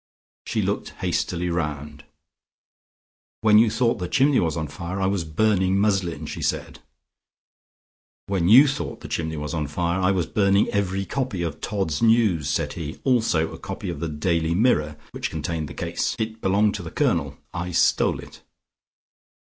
She looked hastily round. "When you thought that the chimney was on fire, I was burning muslin," she said. "When you thought the chimney was on fire, I was burning every copy of 'Todd's News,'" said he. "Also a copy of the 'Daily Mirror,' which contained the case. It belonged to the Colonel. I stole it."